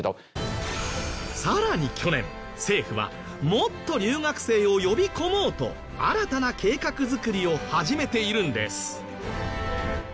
さらに去年政府はもっと留学生を呼び込もうと新たな計画作りを始めているんです。